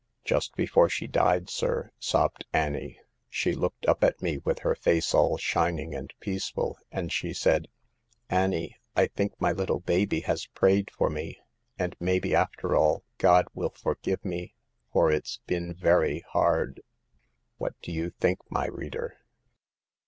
«« Just before she died, sir,' sobbed Annie, < she looked up at me with her face all shining and peaceful, and she said :" Annie, I think my little baby has prayed for me, and maybe, after all, God will forgive me, for it's been very hard." 5 " What do you think, my reader